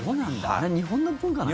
あれ、日本の文化なんだ。